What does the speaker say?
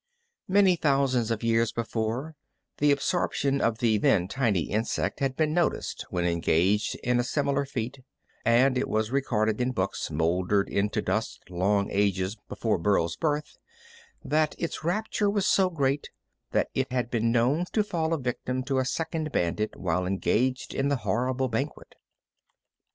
Many thousands of years before, the absorption of the then tiny insect had been noticed when engaged in a similar feat, and it was recorded in books moldered into dust long ages before Burl's birth that its rapture was so great that it had been known to fall a victim to a second bandit while engaged in the horrible banquet.